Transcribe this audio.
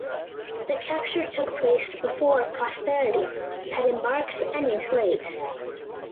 The capture took place before "Prosperity" had embarked any slaves.